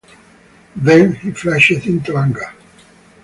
Then he flashed into anger.